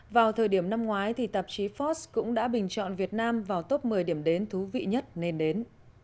vào thời điểm năm ngoái thì tạp chí ford cũng đã bình chọn việt nam vào top một mươi điểm đến thú vị nhất nên đến